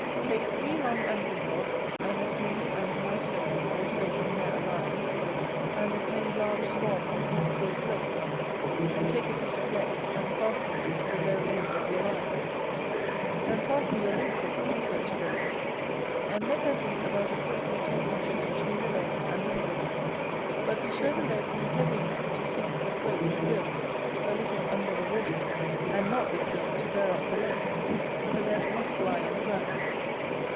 Take three long angling rods; and as many and more silk, or silk and hair, lines; and as many large swan or goose quill floats. Then take a piece of lead, and fasten them to the low ends of your lines: then fasten your link hook also to the lead; and let there be about a foot or ten inches between the lead and the hook: but be sure the lead be heavy enough to sink the float or quill, a little under the water; and not the quill to bear up the lead, for the lead must lie on the ground.